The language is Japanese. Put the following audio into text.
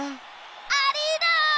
アリーナ！